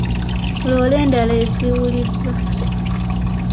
Loole endala ezuuliddwa.